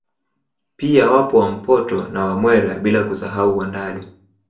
Pia wapo Wampoto na Wamwera bila kusahau Wandali